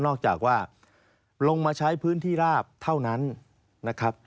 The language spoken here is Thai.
จากว่าลงมาใช้พื้นที่ราบเท่านั้นนะครับ